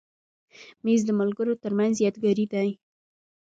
مېز د ملګرو تر منځ یادګاري دی.